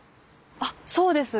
あっそうです。